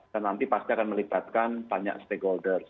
dan nanti pasti akan melibatkan banyak stakeholder